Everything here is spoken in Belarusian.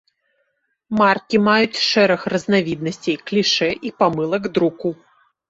Маркі маюць шэраг разнавіднасцей клішэ і памылак друку.